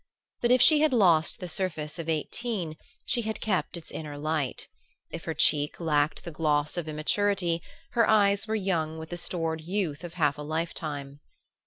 But if she had lost the surface of eighteen she had kept its inner light; if her cheek lacked the gloss of immaturity her eyes were young with the stored youth of half a life time.